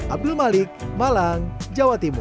abdul malik malang jawa timur